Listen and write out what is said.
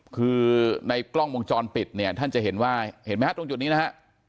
คือในกล้องวงจรปิดเนี่ยท่านจะเห็นว่าเห็นไหมฮะตรงจุดนี้นะฮะ